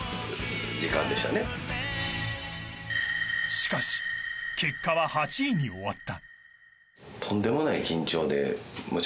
しかし結果は８位に終わった。